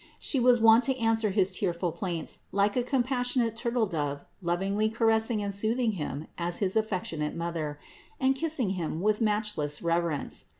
She was wont to answer his tearful plaints like a com passionate turtledove lovingly caressing and soothing Him as his affectionate Mother, and kissing Him with match less reverence.